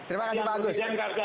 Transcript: terima kasih pak agus